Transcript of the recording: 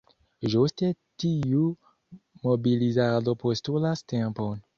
Ĝuste tiu mobilizado postulas tempon.